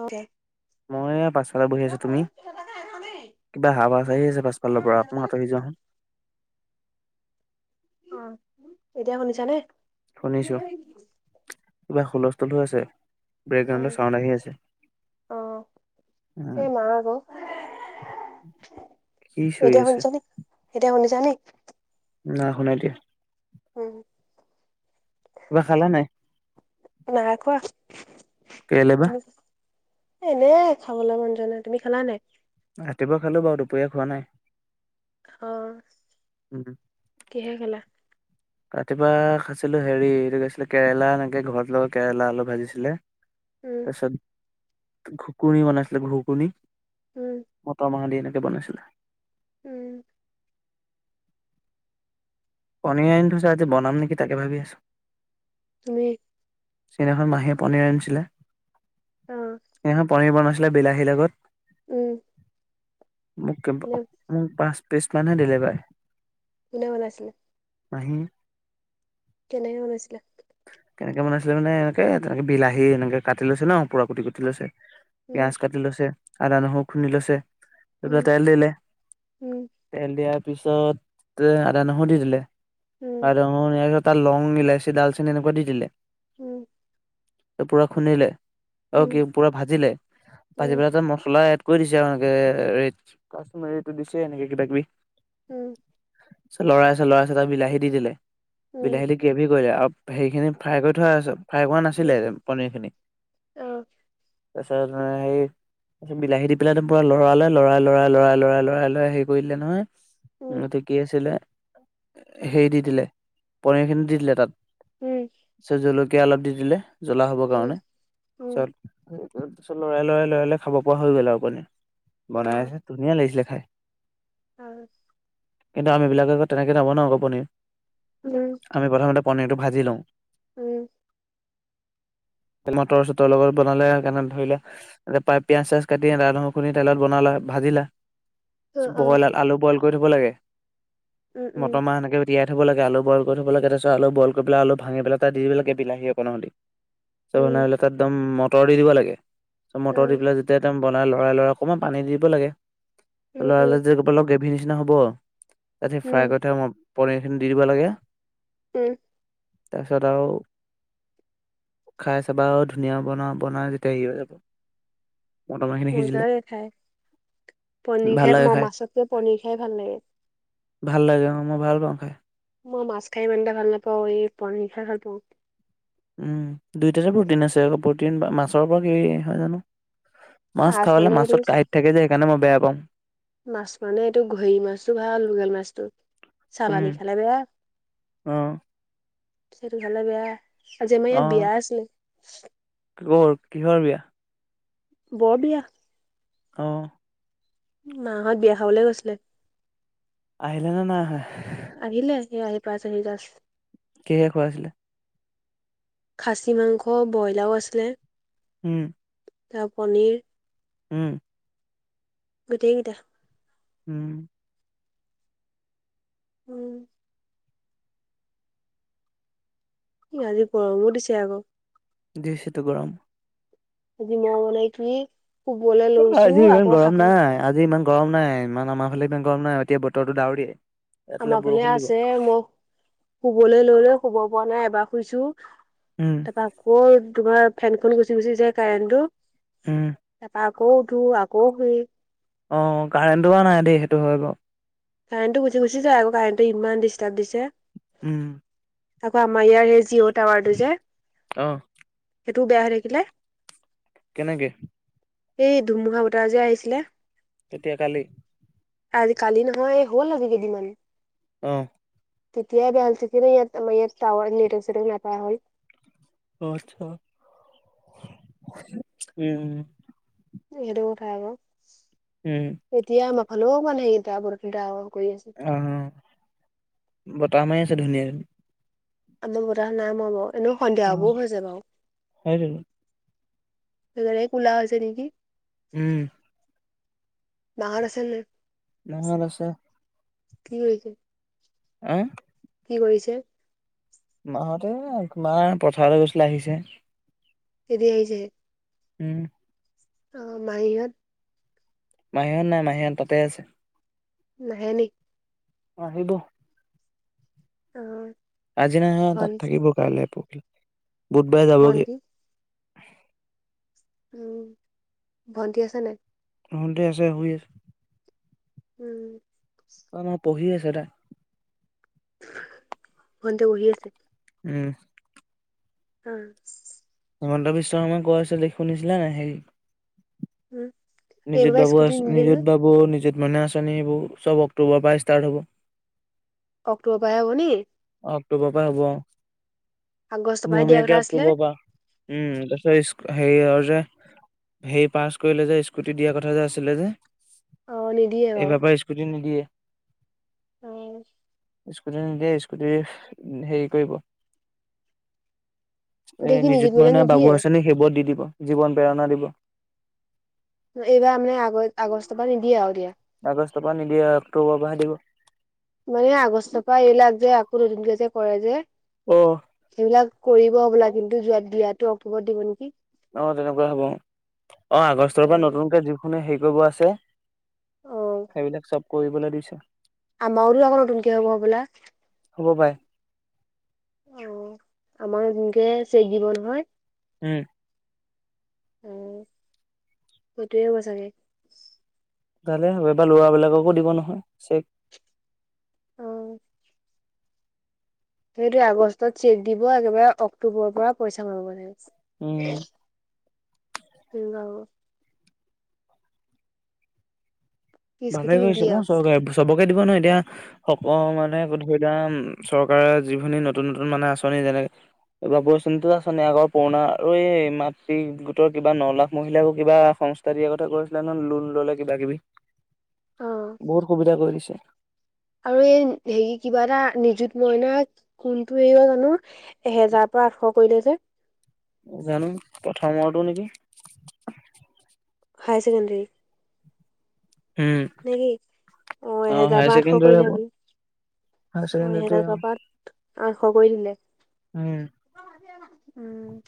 অঁ। মই পাছফালে বহি আছো, তুমি? কিবা আৱাজ আহি আছে পাছালৰ পৰা অলপ আতৰি যোৱা চোন। উম, এতিয়া শুনিছ নে? শুনিছো কিবা হুলস্থুল হৈ আছে। ব্ৰেক অ গাউণ্ডখি আছে উ এই মা আকৌ [inaudible] কি চৈ এতিয়া আছে? শুনিছানে এতিয়া শুনিছা নি? নাই শুনাই দিয়া। উম। কিবা খালা নাই নাইখোৱা, কেৰেলা বা তুমি? এনে খাবলৈ মন যোৱা নাই, তুমি খেলা নাই? ৰাতিপুৱা খালো বাৰু দুপৰীয়া খোৱা নাই। অ' উম কিহে খালা? ৰাতিপুৱা খাইছিলো হেৰি এইটো গৈছিলে কেৰেলা এনেকে ঘৰত লগা কেৰেলা আলু ভাজিছিলে। উম তাৰপিছতবনাইছিলে ঘুকুনিী [inaudible] উম মটৰ মঙালি এনেকে বনাইছিলে [inaudible] উম। পনীৰ আনি থৈছে আজি বনাম নেকি তাকে ভাবি আছো। তুমি? চিদিখন মাহীয়ে পনিৰ আনিছিলে, অ সেইদিনাখন পনিৰ বনাইছিল বিলাহীৰ লগত। উম। মোক কোনে - মোক পাঁচ পিচ মানহে দিলে পাই। কোনে বনাইছিলে? মাহী। কেনেকে বনাইছিলে কেনেকে বনাইছিলে মানে এনেকে তেনেক বিলাহী এনেক কাটিলৈছে ন পুৰা কুটি কুটি লৈছে উম পিয়াজ কাটি লৈছে আদা নহৰু খুন্দি লৈছে তাপা উম তেল দিলে উম তেল দিয়াৰ পিছত আদা নহয় দি দিলে উম আৰু তাৰ লং ইলাচি ডালচেনি এনেকুৱা দি দিলে উম পুৰা খুন্দিলে উম অ উম কি পুৰা ভাজিলে ভাজি উম পেলাই তাত মচলা এড কৈ দিছে এনেকে কাষ্টমাৰটো দিছে এনেকে কিবা কিবি উম মাজত লৰাই আছে লৰাই আছে ত বিলাহী দি দিলে উম বিলাহী দি গ্ৰেভি কৰিলে সেৰিখিনি ফ্ৰাই কৰি থোৱা ফ্ৰাই কৰা উম নাছিলে পনীৰ খিনি অ তাছত সেই তাৰপিত বিলাহী দি পেলাই একদম পুৰা লৰালে লৰাই লৰাই লৰাই লৰাই লৰাই লৰাই হেৰি কৰি দিলে নহয় উম উ মই এতিয়া কি আছিলে হে দি দিলে পনিৰ খিনি দি দিলে তাত উম তাছত জলকীয়া অলপ দি দিলে জ্বলা হ'বৰ উম কাৰণে উম চত সেই তাৰ পিছত লৰাই লৰাই লৰাই খাব পৰা হৈ গ'ল আৰু মানে বনাই আছে ধুনিয়া লাগিছিলে খাই উ কিন্তু আমি বিলাক আকৌ তেনেকৈ নবনাও আক'পনীৰ উম আমি প্ৰথমে পনীৰটো ভাজি লওঁ উম মটৰ চটৰ লগত বনালে সেইকাৰণে ধৰিলে এতে পায় পিয়াজ চিয়াজ কাতি আদা নহৰুখিনি তেলত বনালে ভাজিলে অ বইলল আলু বইল কৰি থব লাগে উম উম মটৰ মাহ সেনেকে তিয়াই থব লাগে আলু বইল কৰি থব লাগে তাৰপিত আলু বইল কৰি পেলাই আলু ভাঙি পেলাই তাত দি দিব লাগে বিলাহী অকণ দি চব উম সেনাই তাত একদম মটৰ দি দিব লাগে চ অ', মটৰ দি পেলাই য তেতিয়া বনাই লৰাই লৰা অকমান পানী দিব লাগে উম, লৰাই উম, লৰাই যে অলপ গ্ৰেভীৰ নিচিনা হ'ব তা সেই ফ্ৰাই উম, কৰি থাই পনীৰখিনি দি দিব লাগে উম তাৰপিছত আৰু খাই চাবা আৰু ধুনীয়া বনোৱা বনাই যেতিয়া হেৰি হৈ যাব মটৰ মাহখিনি সিজিলে মজাৰে খাই পনিৰ ভাল খাই লাগে ম মাছতকে পনিৰ খাই ভাল লাগে ভাল লাগে অ মই ভাল পাওঁ খাই মই মাছ খাই ইমানে এটা ভাল নাপাওঁ এই পনীৰ খাই ভাল পাওঁ উম দুইটাতে প্ৰটিন আছে আকৌ প্ৰটিন মাছৰ কণীৰ পৰা কি হয় জানো মাছ খাবেলে মানে এইটো মাছত কাইট থাকে যে সেইকাৰণে মই বেয়া পাওঁ মাছ মানে এইটো ঘৰি মাছটো ভাল লোগেল মাছটো চালানী খালে বেয়া অঁ সেইটো ভালে বেয়া আজি আমাৰ ইয়াত বিয়া আছিলে অ কিহৰ বিয়া বৰ বিয়া অঁ মাহত বিয়া খাবলে গৈছিলে। আহিলে নে নাই আহিলে স আহি পাঁছ আহি যাজ কিহে খোৱাই আছিলে। খাছী মাংস ব্ৰইলাৰও আছিলে। উম তাৰ পনীৰ উম গোটেই কেইটা উম উম আজি গৰমো দিছে আক দিছে টো গৰম আজি ম বনাই থি শুবলৈ লৈছো আজি ইমান আকৌ গৰম হাৰ পাই নাই আজি ইমান গৰম নাই ইমান আমাৰ ফালে ইমান গৰম নাই এতিয়া বতৰটো ডাউৰি আমাৰ ফালে আছে মোক শুবলৈ ললে শুব পোৱা নাই এবাৰ শুইছো উম ত আকৌ তোমাৰ ফেন খ গুচি গুচিছে কাৰেণ্টটো উম তাৰপা আকৌ উঠো আকৌ শুওঁ। অ', কাৰেণ্ট বাৰু নাই দেই, সেইটো হয় বাৰু। কাৰেণ্টটো গুচি গুচি যায় আকৌ, কাৰেণ্টটো ইমান ডিষ্টাৰ্ব দিছে। উম। আকৌ আমাৰ ইয়াৰ সেই জিঅ' টাৱাৰটো যে, অ সেইটোও বেয়া হৈ থাকিলে। কেনেকে? এই ধুমুহা বতাহ যে আহিছিলে। কেতিয়া? কালি? কালি, কালি নহয়, এই হ'ল আজি কেইদিনমান। অহ। তেতিয়াই বেয়া হ'ল, আমাৰ ইয়াত টাৱাৰ নেটৱৰ্ক সেটৱৰ্ক নোপোৱা হ'ল। অ', আতছা। উম। এই এইটো কথাই অঁ। উম। এতিয়া আমাৰ ফালেও মানে এতিয়া বৰ ডাৱৰ কৰি আছে। অ', অ', বতাহ মাৰি আছে ধুনীয়া ধু- আমাৰ বতাহ নাই মৰা বাৰু, এনেই সন্ধিয়া অ হ'বও হৈছে বাৰু। সেইটোৱেই সেইকাৰনেহে কুলা হৈছে নেকি। উম। মা হত আছে নে নাই? মা হত আছে। কি কৰিছে? আহ? কি কৰিছে? মা হঁতে মা পথাৰলৈ গৈছিলে আহিছে। এতিয়া আহিছেহে। উম। অ', আমাৰ ইয়াত মাহীহত নাই, মাহীহত তাতেই আছে। নাহে নি? [inaudible] অঁ! আহিব। [inaudible] অঁ! [inaudible] আজি নাহে তাত থাকিব কাইলৈ, পৰশিলে। বুধবাৰে যাবগে। ভন্টি [inaudible] উম! ভণ্টি আছে নাই? [inaudible] ভণ্টি আছে, শুই আছে। [inaudible] উম। [inaudible] অঁ! নহয় পঢ়ি আছে তাই। [inaudible] [inaudible] ভণ্টিয়ে পঢ়ি আছে। উম। [inaudible] অহ। [inaudible] হিমন্ত বিশ্ব শৰ্মাই কৈ আছিল যে শুনিছিলা নে নাই হেৰি [inaudible] উম নিজুত এইবাৰ বাবু স্কুটি আঁচনি, নিদিয়ে নিজুত নহয় বাবু, নিজুত মইনা আঁচনি এইবোৰ চব অক্টোবৰৰ পৰাই ষ্টাৰ্ট হ'ব। [inaudible] অক্টোবৰৰ পৰাহে হ'ব নেকি? [inaudible] অক্টোবৰৰ পৰা হ'ব আগষ্টৰ অহ। পৰাহে দিয়া কথা নিয়মীয়াকে আছিলে অক্টোবৰৰ পৰা। [inaudible] উম! তাৰপিছত [inaudible] হেৰিয়ৰ যে হেৰি পাছ কৰিলে যে স্কুটি দিয়াৰ কথা যে আছিলে যে? [inaudible] অ নিদিয়ে বাৰু এইবাৰ পৰা স্কুটি নিদিয়ে। [inaudible] উম। [inaudible] স্কুটি নিদিয়ে, স্কুটি হেৰি কৰিব। [inaudible] এতিয়া এই কি নিযুত মইনা, নিদিয়ে বাবু আঁচনি সেইবোৰত দি দিব। জীৱন প্ৰেৰণা দিব। [inaudible] এইবাৰ আমি [inaudible] আগ আগষ্টৰ পৰা নিদিয়ে আৰু এতিয়া। আগষ্টৰ পৰা নিদিয়ে [inaudible] অক্টোবৰ পৰাহে দিব। [inaudible] এয়া আগষ্ট পৰা এইবিলাক যে আকৌ নতুন কে যে কৰে যে [unintelligible] অ! [inaudible] সেইবিলাক কৰিব হবলা কিন্তু যোৱা দিয়াতো অক্টোবৰত দিব নেকি? [inaudible] অঁ! তেনেকুৱা হ'ব। অঁ! আগষ্টৰ পৰা অ নতুনকে যিখোনে হেৰি কৰিব আছে [inaudible] অ [inaudible] সেইবিলাক চব কৰিবলৈ দিছে। আমাৰটো আকৌ নতুনকে হ'ব হ'বলা? হ'ব পাই [inaudible] [inaudible] অঁ! আমাৰ নতুন কে চেগ দিব নহয়? উম। [inaudible] অঁ! সেইটোৱেই হ'ব চাগে। [inaudible] ভালে হ'ব। এইবাৰ ল'ৰাবিলাককো দিব নহয় চেক। [inaudible] অ সেইটোৱে আগষ্টত চেক দিব একেবাৰে অক্টোবৰৰ পৰা পইচা পাব মানে। [inaudible] উম। [inaudible] [inaudible] শূণ্য হ'ব। [inaudible] ভালে কৰিছে নিদিয়ে ন আৰু চৰকাৰে চবকে দিব নহয় এতিয়া। [inaudible] [inaudible] মানে ধৰি লোৱা চৰকাৰৰ যিখিনি নতুন-নতুন মানে আঁচনি যেনেকে [inaudible] বাবু আঁচনিটো আঁচনি, আগৰ পুৰণা আৰু এই মাতৃ গোটৰ কিবা ন লাখ মহিলাকো কিবা সঙ্গ [inaudible] [inaudible] দিয়া কথা কৈ আছিলে ন লোন ল'লে কিবাকিবি। [inaudible] অ বহুত সুবিধা কৰি দিছে। [inaudible] আৰু এই হেৰি কিবা এটা নিযুত মইনা কোনটো এৰিব [inaudible] জানো? এহেজাৰ পৰা আঠশ কৰিলে যে? [inaudible] জানো প্ৰথমৰটো নেকি? [inaudible] হাই চেকেণ্ডেৰী কি উম অ এহেজাৰৰ পৰা আঠশ হাইছেকেণ্ডাৰী কৰিলে হব হবলা হাই চেকেণ্ডেৰী টোৱে অ আতশ কৰি দিলে উম উম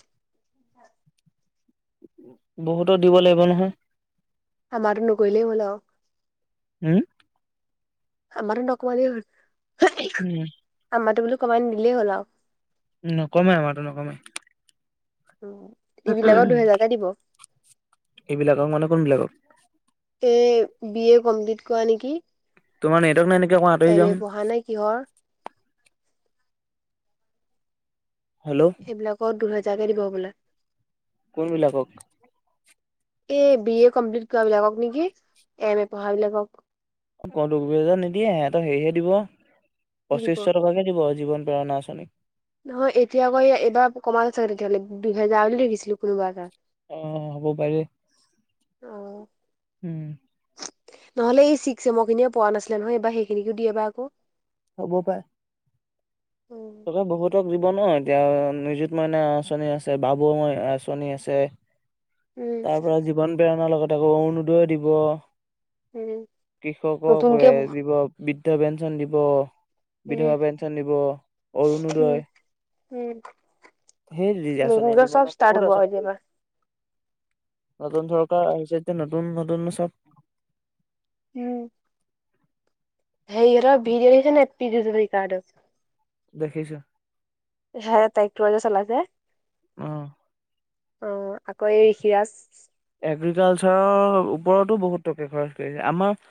বহুতক দিব লাগিব নহয় আমাৰটো নকৰিলেই হ'ল আও হম আমাৰটো নকমালেই হ'ল উম আমাটো বোলো কমাই নিদিলেই হল আৰু নকমাই আমাৰটো নকমাই উম ইবিলাকৰ দুহেজাৰকে দিব ইবিলাকক মানে কোনবিলাকক এ বি এ কমপ্লিট কৰা নেকি তোমাৰ নেটৱৰ্ক নাই নি এম এ পঢ়া নে কিহৰ হেল্ল সেইবিলাকত দুহেজাৰকে দিব বোলে কোনবিলাকক এ বি এ কমপ্লিট কৰা বিলাকক নেকি এম এ পঢ়া বিলাকক দুবি হেজা নিদিয়ে সিহতৰ হেৰিহে দিব কি দিব পঁচিশ টকাকে দিব জীৱন প্ৰেৰণা আছ নি নহয় এতিয়া আকৌ এইবাৰ কমালে ছাগে তেতিয়াহ'লে দুহেজাৰ বুলি দেখিছিলো কোনোবা এটা অ হ'ব পাৰে অ উম নহলে এই চিক ছেমৰ খিনিয়ে পোৱা নাছিলে নহয় এইবাৰ সেইখিনিকো দিয়ে বা আক। হ'ব পাৰে। উম তে বহুতক দিব ন এতিয়া নিজুত মইনা আঁচনি আছে বাবু মই আঁচনি আছে। তাৰ পৰা জীৱন প্ৰেৰণাৰ লগতে আকৌ অৰুণোদয় দিব। উম কৃষকৰ নতুনকে উম দিব। বৃদ্ধ পেঞ্চন দিব বিধৱা উম পেঞ্চন দিব। অৰুণোদয় উম সেই আচনি নতুনকে দিব চব ন ষ্টাৰ্ট বহুত হ'ব আৰু আঁচনি এতিয়াৰ দিব। পৰা নতুন চৰকাৰ আহিছে যেতিয়া নতুন নতুন চব উম,। হেৰী হঁতৰ ভিডিঅ দেখিচ নাই পিউজ হাজৰিকা হঁতৰ। দেখিছো। হে তাইকটো চলাই যে অ' অ' আকৌ এই ঋষিৰাজ এগ্ৰিকালচাৰৰ ওপৰতো বহুত টকা খৰচ কৰিছে আমাৰ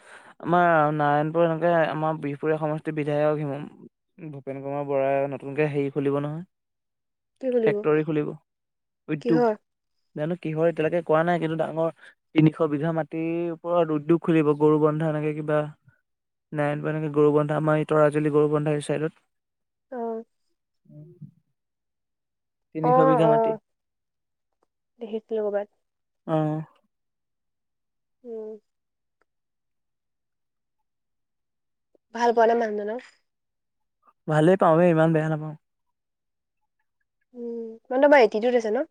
আমাৰ নাৰায়ণপুৰ এনেকে আমাৰ বিহপুৰীয়া সমষ্টিৰ বিধায়ক হি ভূপেন কুমাৰ বৰাই নতুনকে হেৰি খুলিব নহয়। কি বুলিব ফেক্টৰী খুলিব উদ্যোগ কিহৰ জানো কিহৰ এতিয়ালৈকে কৰা নাই কিন্তু ডাঙৰ তিনিশ বিঘা মাটিৰ ওপৰত উদ্যোগ খুলিব গৰু বন্ধা এনেকে কিবা। নাই এনে গৰু বন্ধা আমাৰ তৰাজলী গৰু বন্ধা এই চাইডত। অ তিনিশ বিঘা মাটি। খেতি কৰিবা অ উম ভাল পাওঁ নে মানুহ জনক ভালে পাওঁৱে ইমান বেয়া নাপাওঁ। উম মানুহটো বৰ এটিটোত আছে ন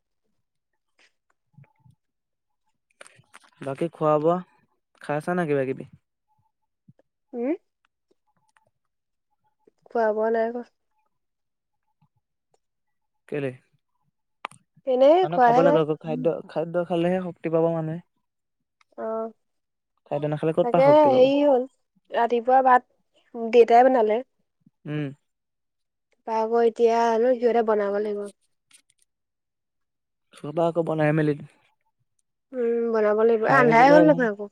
বাকী খোৱা বোৱা খাই আছা নাই কিবা কিবি হুম খোৱা বোৱা নাই কৰা। কেলে এনেই মানে খাব খোৱাহে নাই লাগে আক খাদ্য খাদ্য খালেহে শক্তি পাব মানুহে। অ' খাদ্য নাখালে ক'ত পা তাকে শক্তি পাব হেৰি হ'ল ৰাতিপুৱা ভাত দেউতাই বনালে। উম বা আকৌ এতিয়া আৰু সিহঁতে বনাব লাগিব। খাবা আক বনাই মেলি উম বনাব লাগিব এ খাই আন্ধাৰে থাকিলে হ'ল দেখোন আকৌ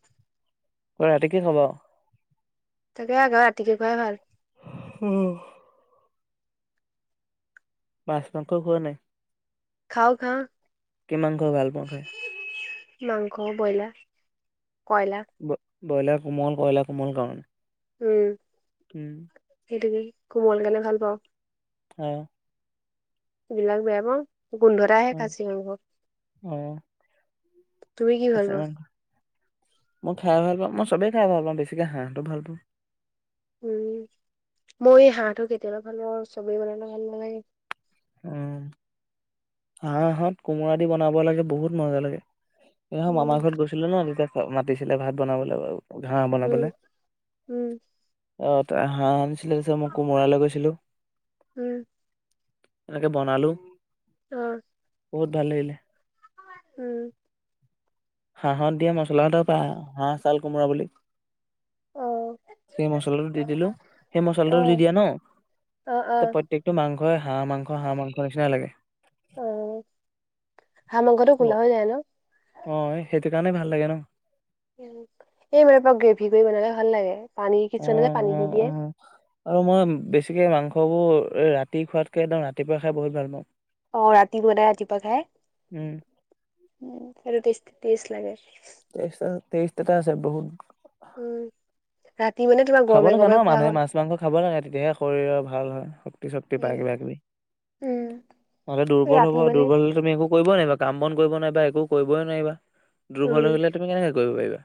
ৰাতি কি খাবা তাকে আকৌ ৰাতিকে খোৱাই ভাল। উম মাছ মাংস খোৱা নাই খাও খাওঁ। কি মাংস ভাল পোৱা খাই মাংস ব্ৰইলাৰ কয়লা। ব ব্ৰইলাৰ কোমল কইলাৰ কোমল কাৰণে। উম উম সেইটোকে কোমল কাৰণে ভাল পাওঁ। হয় এইবিলাক বেয়া পাওঁ গোন্ধ এটা আহে অ', খাচি মাংস। অ', তুমি কি ভাল খাচী পোৱা মাংস মই খাই ভাল পাওঁ মই চবে খাই ভাল পাওঁ বেছিকে হাঁহটো ভাল পাওঁ উম মই এই হাঁহটো কেতিয়াবা ভাল পাওঁ আৰু চবেই বনালে ভাল নালাগে অ হাঁহ হক কোমোৰা দি বনাব লাগে বহুত মজা লাগে এ মামাৰ উম ঘৰত গৈছিলো ন তেতিয়া মাতিছিলে ভাত বনাবলে বাৰু ঘাঁহ বনাবলে উম উম অ ত হাঁহ আনিছিলে যে মই কোমোৰা লৈ গৈছিলোঁ উম তাকে বনালো অ বহুত ভাল লাগিলে উম হাঁহত দিয়া মচলা এটাৰ পায় হাঁহ চাল কোমোৰা বুলি অ সেই মছলাটো দি দিলো সেই মছলাটো অ দি দিয়া ন অ অ প্ৰত্যকটো মাংসই হাঁহ মাংস হাঁহ মাংসৰ নিচিনা লাগে অ হাঁহ মাংসটো কোলা ব- হৈ যায় ন অ' সেইটো কাৰণেই ভাল লাগে ন'? [unintelligible] গ্ৰেভি কৰি বনালে ভাল লাগে। পানী কিছুমানে যে পানী দি দিয়ে [unintelligible] আৰু মই বেছিকে মাংসবোৰ ৰাতি খোৱাতকে [unintelligible] ৰাতিপুৱা খাই বহুত ভাল পাওঁ। অ' ৰাতি বনাই ৰাতিপুৱা খাই, উম, [unintelligible] টেষ্ট লাগে। টেষ্ট আ, টেষ্ট এটা আছে বহুত। উম, ৰাতি মানে তোমাৰ খাব গৰমে লাগে ন গৰমে খোৱা মানুহে হ'ল। মাছ মাংস খাব লাগে তেতিয়াহে শৰীৰৰ ভাল হয়। পিছত কিবা উম কিবা কিবি, উম নহ'লে দুৰ্বল হ'ব, ৰাতি মানে দুৰ্বল হ'লে তুমি একো কৰিবই নোৱাৰিবা, কাম বন কৰিব নোৱাৰিবা, একো কৰিবই নোৱাৰিবা। দুৰ্বল উম হৈ গলে তুমি কেনেকে কৰিব পাৰিবা।